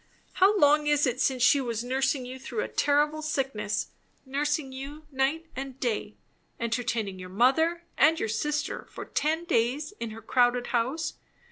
How long is it since she was nursing you through a terrible sickness nursing you night and day entertaining your mother and your sister for ten days, in her crowded house.